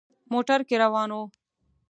موټر کې روان وو.